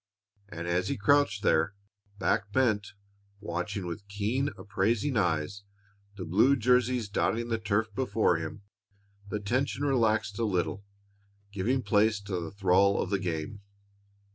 And as he crouched there, back bent, watching with keen, appraising eyes the blue jersies dotting the turf before him, the tension relaxed a little, giving place to the thrall of the game.